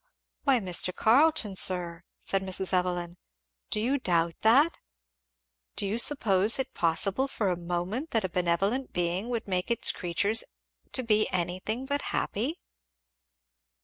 "Why Mr. Carleton, sir," said Mrs. Evelyn, "do you doubt that? Do you suppose it possible for a moment that a benevolent being would make creatures to be anything but happy?"